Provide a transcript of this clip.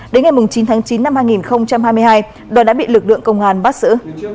đến ngày chín tháng chín năm hai nghìn hai mươi hai đoàn đã bị lực lượng công an bắt xử